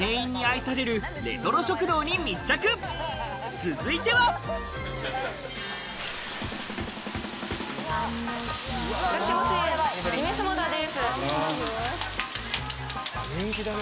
続いては人気だね